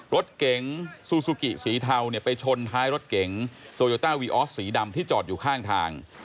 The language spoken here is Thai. รถเก๋งซูซูกิสีเทาเนี่ยไปชนท้ายรถเก๋งโตโยต้าวีออสสีดำที่จอดอยู่ข้างทาง